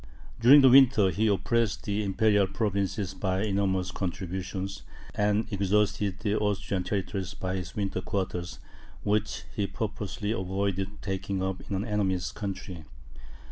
During the winter, he oppressed the imperial provinces by enormous contributions, and exhausted the Austrian territories by his winter quarters, which he purposely avoided taking up in an enemy's country.